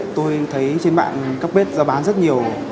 tôi thấy trên mạng các bếp ra bán rất nhiều